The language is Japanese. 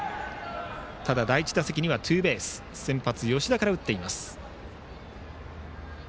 ただ第１打席にはツーベースを先発、吉田から打っています。